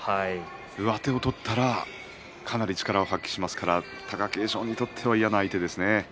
上手を取ったらかなり力を発揮しますから貴景勝にとったら嫌な相手ですね。